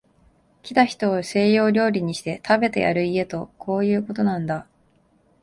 来た人を西洋料理にして、食べてやる家とこういうことなんだ